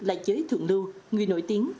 là chế thượng lưu người nổi tiếng